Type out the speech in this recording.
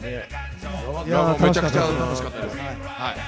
めちゃくちゃ楽しかったです。